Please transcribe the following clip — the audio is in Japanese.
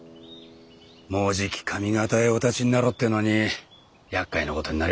もうじき上方へお発ちになろうってのに厄介なことになりましたね。